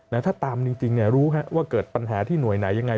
ถ้าตามจริงเนี่ยรู้ว่าเกิดปัญหาที่หน่วยไหนยังไง